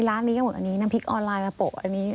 ร้านนี้ก็หมดอันนี้น้ำพริกออนไลน์มาโปะอันนี้